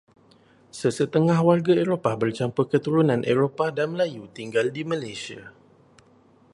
Sesetengah warga Eropah bercampur keturunan Eropah dan Melayu tinggal di Malaysia.